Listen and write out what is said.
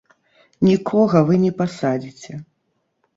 Нікога вы не пасадзіце.